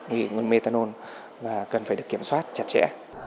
vì nguồn methanol cần phải được kiểm soát chặt chẽ